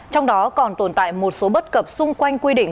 trong đó còn tồn tại một số bất cập xung quanh quy định